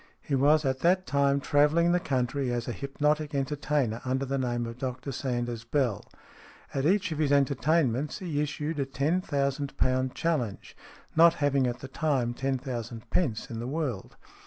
He was at that time travelling the country as a hypnotic entertainer, under the name of Dr Sanders Bell. At each of his entertainments he issued a Ten Thousand Pound Challenge, not having at the time ten thousand pence in the world.